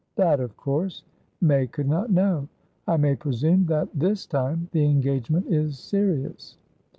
That, of course, May could not know. I may presume that, this time, the engagement is serious?"